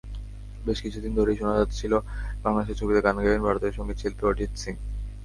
বেশ কিছুদিন ধরেই শোনা যাচ্ছিল, বাংলাদেশের ছবিতে গান গাইবেন ভারতের সংগীতশিল্পী অরিজিৎ সিং।